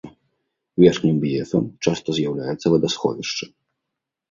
Верхнім б'ефам часта з'яўляецца вадасховішча.